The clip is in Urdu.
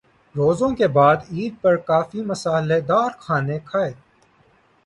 روزوں کے بعد عید پر کافی مصالحہ دار کھانے کھائے۔